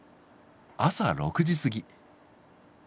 朝６時すぎ。